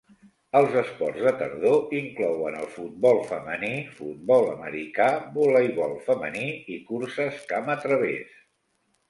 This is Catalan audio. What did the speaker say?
Els esports de tardor inclouen el futbol femení, futbol americà, voleibol femení i curses camp a través.